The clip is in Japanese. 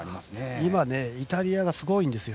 今、イタリアがすごいんですよ。